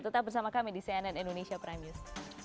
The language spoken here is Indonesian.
tetap bersama kami di cnn indonesia prime news